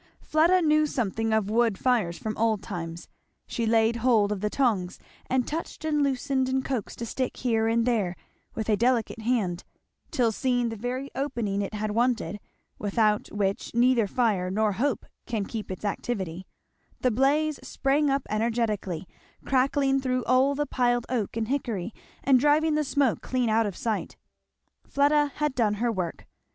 Fleda knew something of wood fires from old times; she laid hold of the tongs, and touched and loosened and coaxed a stick here and there, with a delicate hand, till, seeing the very opening it had wanted, without which neither fire nor hope can keep its activity, the blaze sprang up energetically, crackling through all the piled oak and hickory and driving the smoke clean out of sight. Fleda had done her work.